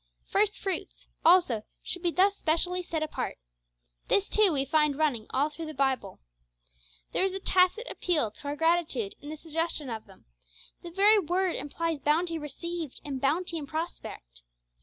First fruits, also, should be thus specially set apart. This, too, we find running all through the Bible. There is a tacit appeal to our gratitude in the suggestion of them, the very word implies bounty received and bounty in prospect.